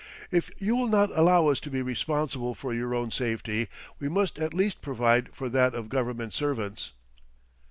"If you will not allow us to be responsible for your own safety, we must at least provide for that of Government servants."